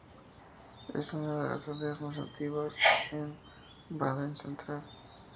Es una de las aldeas más antiguas en Baden Central.